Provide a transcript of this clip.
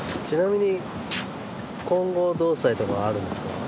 ちなみに今後どうしたいとかあるんですか？